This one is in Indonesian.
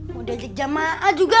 mau diajak jama'ah juga